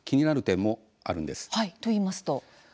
と言いますと？